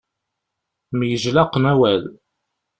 Myejlaqen awal.